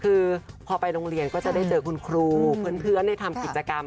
คือพอไปโรงเรียนก็จะได้เจอคุณครูเพื่อนได้ทำกิจกรรม